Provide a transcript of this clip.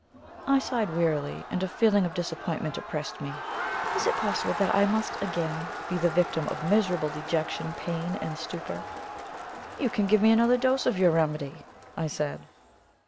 I sighed wearily, and a feeling of disappointment oppressed me. Was it possible that I must again be the victim of miserable dejection, pain, and stupor? "You can give me another dose of your remedy," I said.